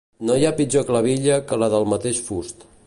No hi ha pitjor clavilla que la del mateix fust.